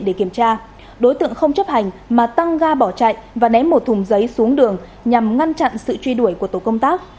đối tượng không chấp hành mà tăng ga bỏ chạy và ném một thùng giấy xuống đường nhằm ngăn chặn sự truy đuổi của tổ công tác